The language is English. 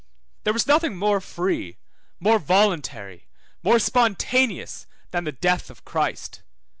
There was nothing more free, more voluntary, more spontaneous than the death of Christ.